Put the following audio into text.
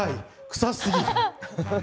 草すぎる！